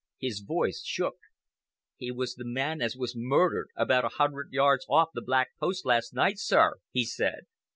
His voice shook. "He was the man as was murdered about a hundred yards off the 'Black Post' last night, sir," he said.